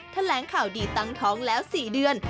แถลงข่าวดีตั้งท้องแล้ว๔เดือน